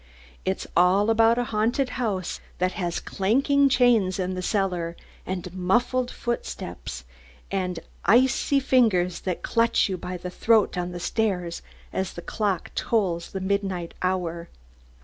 "It's all about a haunted house that has clanking chains in the cellar, and muffled footsteps, and icy fingers that c lutch you by the throat on the stairs as the clock tolls the midnight hour."